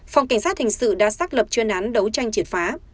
phòng cảnh sát hình sự đã xác lập chuyên án đấu tranh triệt phá